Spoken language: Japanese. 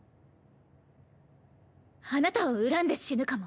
あなたを恨んで死ぬかも。